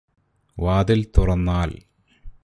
വാതില് തുറന്നാല്